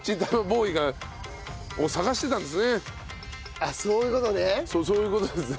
あっそういう事ね。